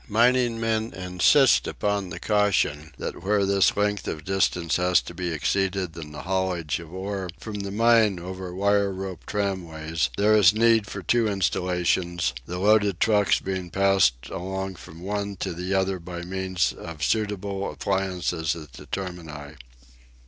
Mining men insist upon the caution that where this length of distance has to be exceeded in the haulage of ore from the mine over wire rope tramways, there is need for two installations, the loaded trucks being passed along from one to the other by means of suitable appliances at the termini.